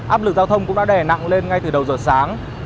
áp lực giao thông cũng đã đè nặng lên ngay từ đầu giờ sáng